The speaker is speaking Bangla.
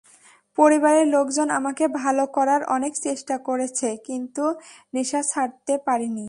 পরিবারের লোকজন আমাকে ভালো করার অনেক চেষ্টা করেছে, কিন্তু নেশা ছাড়তে পারিনি।